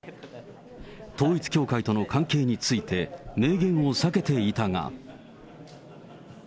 統一教会との関係について、明言を避けていたが。